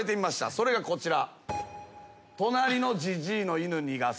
それがこちら。